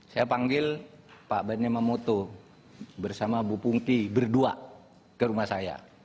saya panggil pak bendemamoto bersama bu pungki berdua ke rumah saya